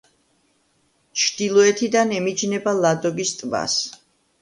ჩრდილოეთიდან ემიჯნება ლადოგის ტბას.